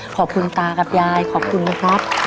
ขอบคุณตากับยายขอบคุณนะครับ